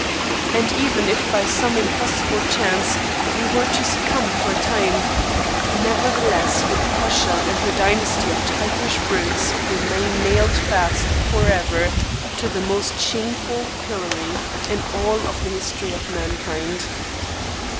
And even if by some impossible chance we were to succumb for a time, nevertheless would Prussia and her dynasty of tigerish brutes remain nailed fast forever to the most shameful pillory in all the history of mankind.